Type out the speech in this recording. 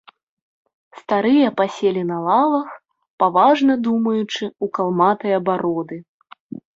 Старыя паселі на лавах, паважна думаючы ў калматыя бароды.